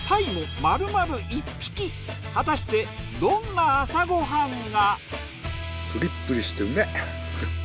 果たしてどんな朝ご飯が。